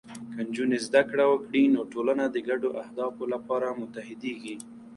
که نجونې زده کړه وکړي، نو ټولنه د ګډو اهدافو لپاره متحدېږي.